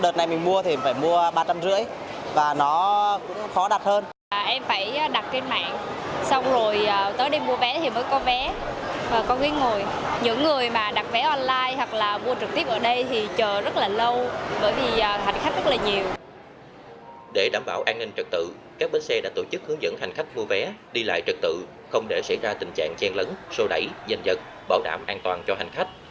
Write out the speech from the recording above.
để đảm bảo an ninh trật tự các bến xe đã tổ chức hướng dẫn hành khách mua vé đi lại trật tự không để xảy ra tình trạng chen lấn sô đẩy danh dật bảo đảm an toàn cho hành khách